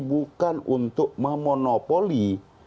bukan untuk memonopoli